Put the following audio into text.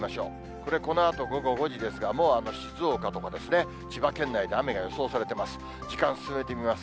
これ、このあと午後５時ですが、もう静岡とか千葉県内で雨が予想されています。